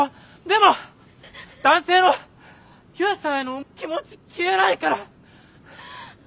でも男性の悠さんへの気持ち消えないから。